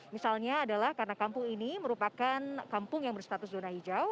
misalnya adalah karena kampung ini merupakan kampung yang berstatus zona hijau